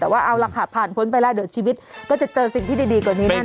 แต่ว่าเอาล่ะค่ะผ่านพ้นไปแล้วเดี๋ยวชีวิตก็จะเจอสิ่งที่ดีกว่านี้แน่น